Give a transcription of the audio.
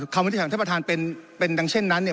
คำวิธีของท่านประธานเป็นดังเช่นนั้นเนี่ย